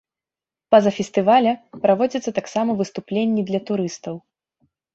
Па-за фестываля праводзяцца таксама выступленні для турыстаў.